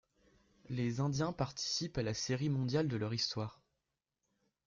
Les Indians participent à la Série mondiale de leur histoire.